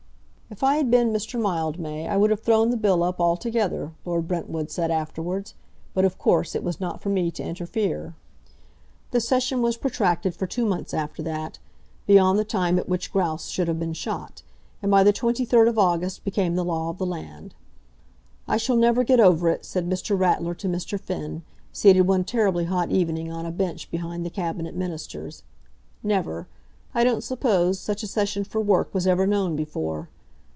"If I had been Mr. Mildmay, I would have thrown the bill up altogether," Lord Brentford said afterwards; "but of course it was not for me to interfere." The session was protracted for two months after that, beyond the time at which grouse should have been shot, and by the 23rd of August became the law of the land. "I shall never get over it," said Mr. Ratler to Mr. Finn, seated one terribly hot evening on a bench behind the Cabinet Ministers, "never. I don't suppose such a session for work was ever known before.